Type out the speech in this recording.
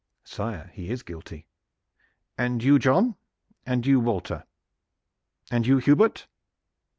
"Sire, he is guilty." "And you, John? And you, Walter? And you, Hubert?